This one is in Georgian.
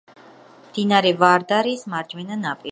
მდინარე ვარდარის მარჯვენა ნაპირზე.